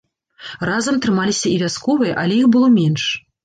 Разам трымаліся і вясковыя, але іх было менш.